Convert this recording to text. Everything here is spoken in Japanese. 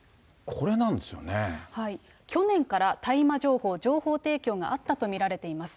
去年から、大麻情報、情報提供があったと見られています。